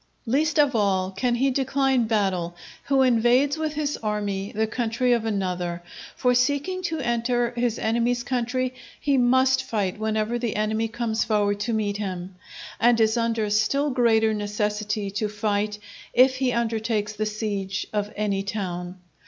Least of all can he decline battle who invades with his army the country of another; for seeking to enter his enemy's country, he must fight whenever the enemy comes forward to meet him; and is under still greater necessity to fight, if he undertake the siege of any town.